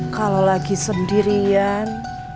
kalo lagi sendirian